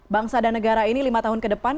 bangsa dan negara ini lima tahun ke depan